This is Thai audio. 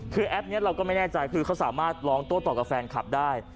คือแอปนี้เราก็ไม่แน่ใจคือเขาสามารถร้องโต้ต่อกับแฟนคลับได้